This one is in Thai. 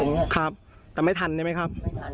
รูปหน้าพลังตัดแต่ไม่ทันได้ไหมครับ